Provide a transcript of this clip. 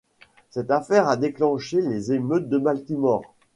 Cette affaire a déclenchée les émeutes de Baltimore.